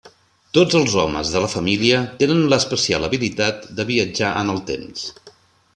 Tots els homes de la família tenen l'especial habilitat de viatjar en el temps.